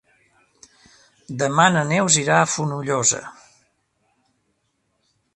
Demà na Neus irà a Fonollosa.